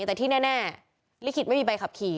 แต่ที่แน่ลิขิตไม่มีใบขับขี่